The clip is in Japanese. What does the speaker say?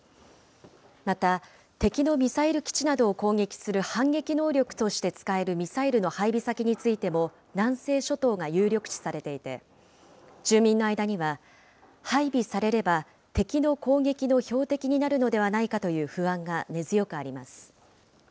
また、敵のミサイル基地などを攻撃する反撃能力として使えるミサイルの配備先についても、南西諸島が有力視されていて、住民の間には、配備されれば敵の攻撃の標的になるのではないかという不安が根強くあります。